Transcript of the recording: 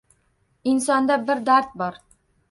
Insonda bir dard bor.